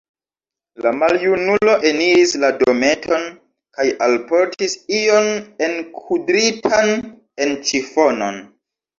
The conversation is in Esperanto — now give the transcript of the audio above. La maljunulo eniris la dometon kaj alportis ion enkudritan en ĉifonon.